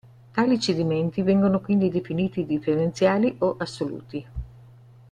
Tali cedimenti, vengono quindi definiti differenziali o assoluti.